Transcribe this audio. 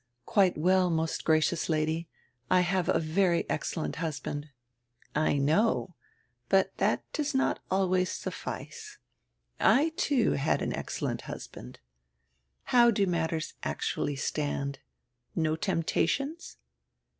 "Quite well, most gracious Lady. I have a very excel lent husband." "I know. But diat does not always suffice. I, too, had an excellent husband. How do matters actually stand? No temptations?"